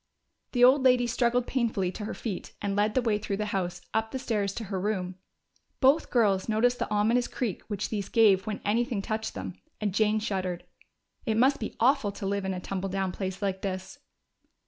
The old lady struggled painfully to her feet and led the way through the house, up the stairs to her room. Both girls noticed the ominous creak which these gave when anything touched them, and Jane shuddered. It must be awful to live in a tumble down place like this!